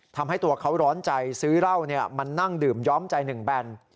ทำให้ตัวเขาร้อนใจซื้อเหล้ามานั่งดื่มย้อมใจหนึ่งแบน